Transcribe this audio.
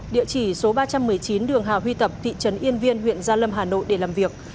địa chỉ số ba trăm một mươi chín đường hào huy tập thị trấn yên viên huyện gia lâm hà nội để làm việc